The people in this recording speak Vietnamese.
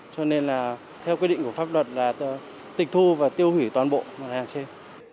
cho nên là theo quy định của pháp luật là tịch thu và tiêu hủy toàn bộ mặt hàng trên